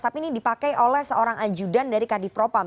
tapi ini dipakai oleh seorang ajudan dari kadipropam